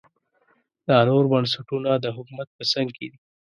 دا نور بنسټونه د حکومت په څنګ دي.